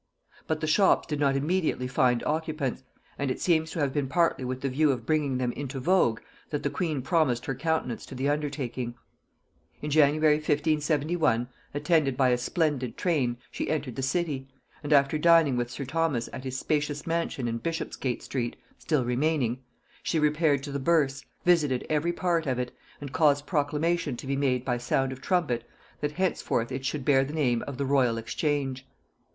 But the shops did not immediately find occupants; and it seems to have been partly with the view of bringing them into vogue that the queen promised her countenance to the undertaking. In January 1571, attended by a splendid train, she entered the city; and after dining with sir Thomas at his spacious mansion in Bishopsgate street (still remaining), she repaired to the burse, visited every part of it, and caused proclamation to be made by sound of trumpet that henceforth it should bear the name of the Royal Exchange.